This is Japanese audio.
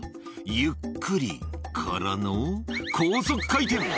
ゆっくりからの、高速回転。